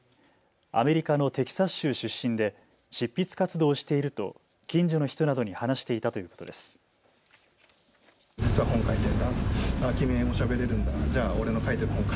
アメリカのテキサス州出身で執筆活動をしていると近所の人などに話していたということです。